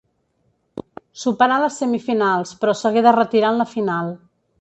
Superà les semifinals, però s'hagué de retirar en la final.